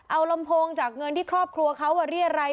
เอาลำโพงจากเงินที่ครอบครัวเขาเรียรัย